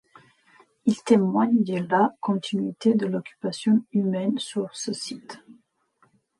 Ils témoignent de la continuité de l’occupation humaine sur ce site.